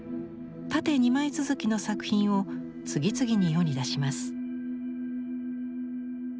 縦２枚続きの作品を次々に世に出します。